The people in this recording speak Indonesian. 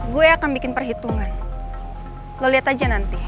gue akan bikin perhitungan lo lihat aja nanti